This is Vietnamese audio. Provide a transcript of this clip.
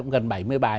gần bảy mươi bài